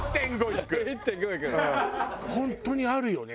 本当にあるよね